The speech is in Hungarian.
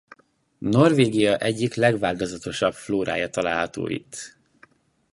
Norvégia egyik legváltozatosabb flórája található a itt.